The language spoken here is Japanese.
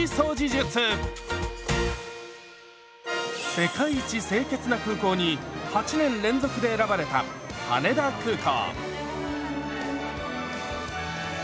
「世界一清潔な空港」に８年連続で選ばれた羽田空港。